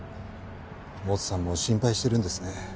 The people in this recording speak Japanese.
モツさんも心配してるんですね。